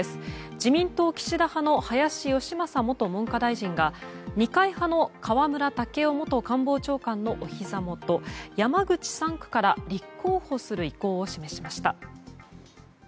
自民党岸田派の林芳正元文科大臣が二階派の河村建夫元官房長官のお膝元山口３区から立候補する意向を示しました。